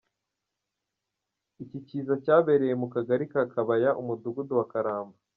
Iki kiza cyabereye mu Kagari ka Kabaya, Umudugudu wa Karambo.